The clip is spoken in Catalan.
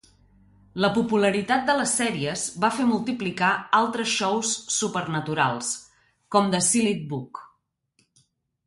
La popularitat de les sèries va fer multiplicar altres shows supernaturals, com "The Sealed Book".